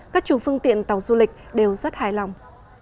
các chủ phương tiện tàu du lịch đều rất hài lòng